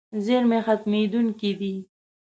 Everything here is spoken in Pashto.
زیرمې ختمېدونکې دي.